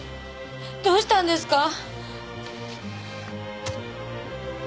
どうしたんですか？